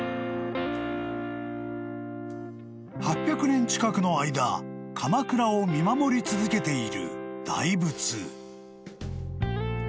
［８００年近くの間鎌倉を見守り続けている大仏］